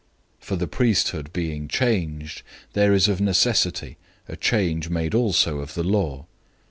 007:012 For the priesthood being changed, there is of necessity a change made also in the law.